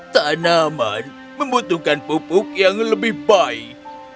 tanaman membutuhkan pupuk yang lebih baik